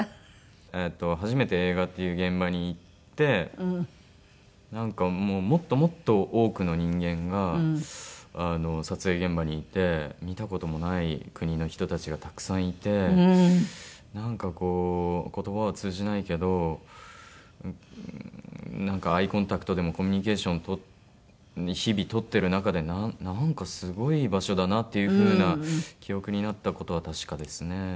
初めて映画っていう現場に行ってもっともっと多くの人間が撮影現場にいて見た事もない国の人たちがたくさんいてなんかこう言葉は通じないけどうーんなんかアイコンタクトでもコミュニケーション日々取ってる中でなんかすごい場所だなという風な記憶になった事は確かですね。